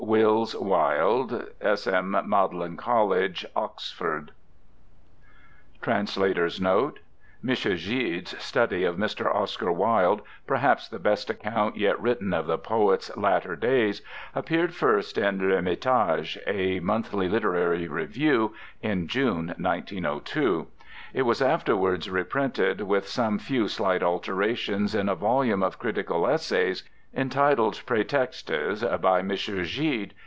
Wills Wilde. S. M. Magdalen College, Oxford. NOTE. M. Gide's Study of Mr. Oscar Wilde (perhaps the best account yet written of the poet's latter days) appeared first in L'Ermitage, a monthly literary review, in June, 1902. It was afterwards reprinted with some few slight alterations in a volume of critical essays, entitled Prétextes, by M. Gide.